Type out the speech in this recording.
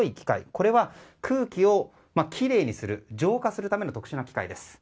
これは空気をきれいにする浄化するための特殊な機械です。